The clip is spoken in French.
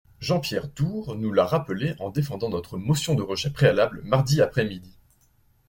Jean-Pierre Door nous l’a rappelé en défendant notre motion de rejet préalable mardi après-midi.